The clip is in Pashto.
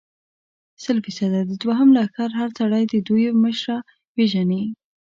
سل فیصده، د دوهم لښکر هر سړی د دوی مشره پېژني.